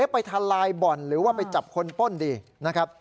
ไปทลายบ่อนหรือว่าไปจับคนป้นดีนะครับ